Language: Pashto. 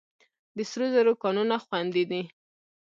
د سرو زرو کانونه خوندي دي؟